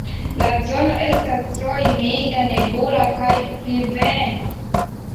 La zono estas tro humida, nebula kaj pluvema.